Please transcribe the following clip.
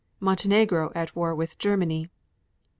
12. Montenegro at war with Germany.